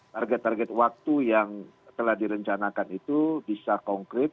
target target waktu yang telah direncanakan itu bisa konkret